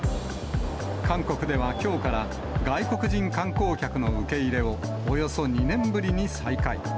韓国ではきょうから、外国人観光客の受け入れを、およそ２年ぶりに再開。